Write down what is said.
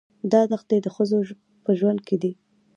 دا دښتې د ښځو په ژوند کې دي.